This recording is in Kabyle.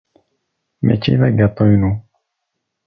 Mačči d agatu-inu.